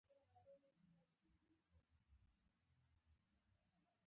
له دې څخه وپوښته چې له ما سره ماښامنۍ خوري.